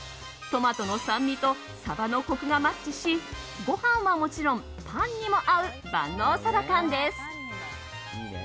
トマトの酸味とサバのコクがマッチしご飯はもちろんパンにも合う万能サバ缶です。